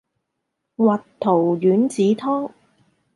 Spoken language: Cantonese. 核桃丸子湯